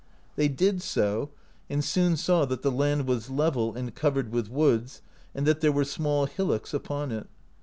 They did so, and soon saw that the land was level, and covered with woods, and that there were small hillocks upon it.